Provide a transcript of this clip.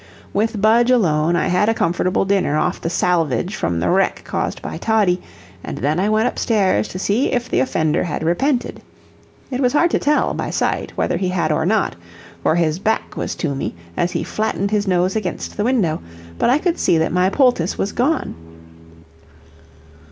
With Budge alone, I had a comfortable dinner off the salvage from the wreck caused by Toddie, and then I went up stairs to see if the offender had repented. It was hard to tell, by sight, whether he had or not, for his back was to me, as he flattened his nose against the window, but I could see that my poultice was gone.